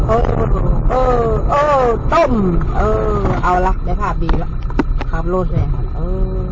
โอ้โหเออเออต้มเออเอาล่ะได้ภาพดีแล้วขับรถแหละเออ